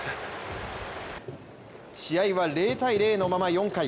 試合は０対０のまま、４回。